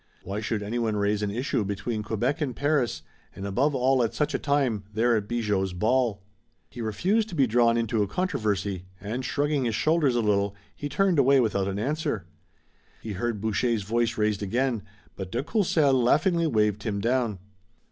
Why should anyone raise an issue between Quebec and Paris, and above all at such a time, there at Bigot's ball? He refused to be drawn into a controversy, and shrugging his shoulders a little, he turned away without an answer. He heard Boucher's voice raised again, but de Courcelles laughingly waved him down.